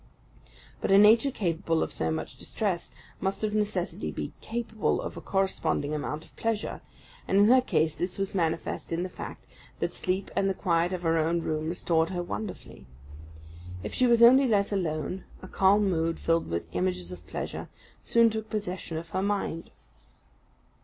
But a nature capable of so much distress, must of necessity be capable of a corresponding amount of pleasure; and in her case this was manifest in the fact that sleep and the quiet of her own room restored her wonderfully. If she were only let alone, a calm mood, filled with images of pleasure, soon took possession of her mind.